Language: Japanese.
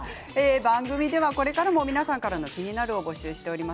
番組では、これからも皆様からの「キニナル」を募集しています。